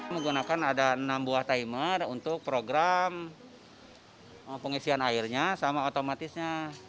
menggunakan ada enam buah timer untuk program pengisian airnya sama otomatisnya